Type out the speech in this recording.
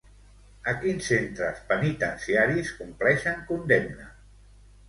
A quins centres penitenciaris compleixen condemna?